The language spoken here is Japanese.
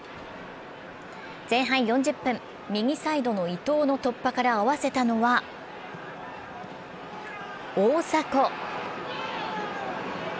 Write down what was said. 前半４０分、右サイドの伊東の突破から合わせたのは大迫。